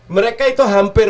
mereka itu hampir